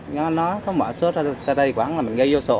nhưng mà nó có mở xuất ra xe đầy quán là mình gây vô sổ